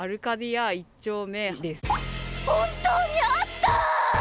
本当にあった！